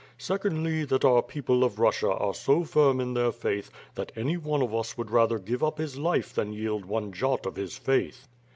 Secondly, that our people of Russia are so firm in their faith that any one of us would rather give up his life than yield one jot of his faith.